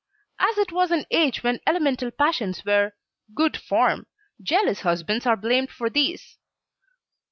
As it was an age when elemental passions were "good form," jealous husbands are blamed for these!